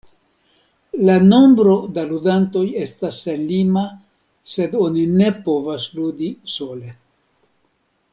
La nombro da ludantoj estas senlima, sed oni ne povas ludi sole.